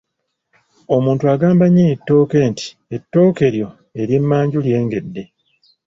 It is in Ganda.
Omuntu agamba nnyinni ttooke nti ettooke lyo ery'emmanju lyengedde.